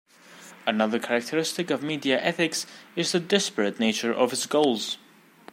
Another characteristic of media ethics is the disparate nature of its goals.